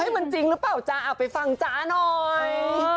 มันจริงหรือเปล่าจ๊ะเอาไปฟังจ๊ะหน่อย